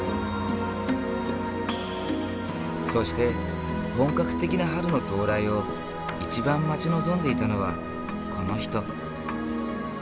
そして本格的な春の到来を一番待ち望んでいたのはこの人。